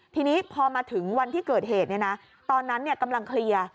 ทีนี้พอมาถึงวันที่เกิดเหตุเนี่ยนะตอนนั้นเนี่ยกำลังเคลียร์